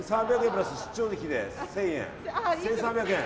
プラス出張費で１０００円の１３００円。